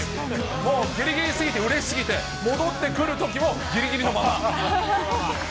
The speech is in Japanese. もうぎりぎり過ぎて、うれしすぎて、戻ってくるときも、ぎりぎりのまま。